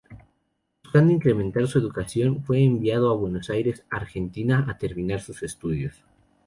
Buscando incrementar su educación fue enviado a Buenos Aires, Argentina, a terminar sus estudios.